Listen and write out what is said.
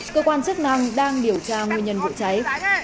cơ quan chức năng đang điều tra nguyên nhân vụ cháy